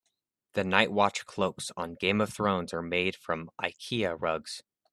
The night watch cloaks on Game of Thrones are made from Ikea rugs.